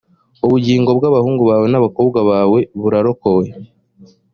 ubugingo bw’ abahungu bawe n ‘abakobwa bawe burarokowe.